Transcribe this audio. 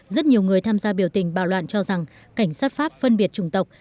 rất nhiều người tham gia biểu tình bạo loạn cho rằng cảnh sát pháp phân biệt chủng tộc